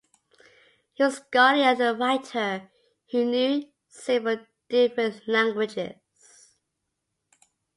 He was a scholar and writer who knew several different languages.